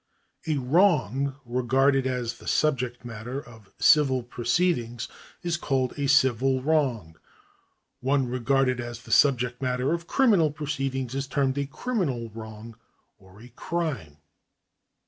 A wrong regarded as the subject matter of civil proceedings is called a civil wrong ; one regarded as the subject matter of criminal proceedings is termed a criminal wrong or a crime.